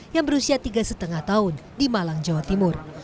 yang berusia tiga lima tahun di malang jawa timur